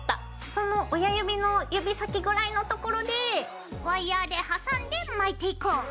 その親指の指先ぐらいの所でワイヤーで挟んで巻いていこう！